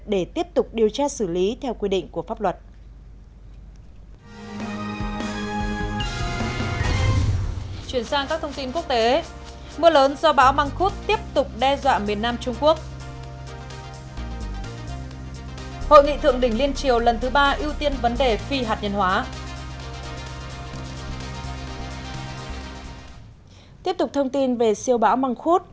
để tiếp tục điều tra xử lý theo quy định của pháp luật